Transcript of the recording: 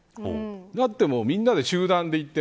だって、みんなで集団で行って。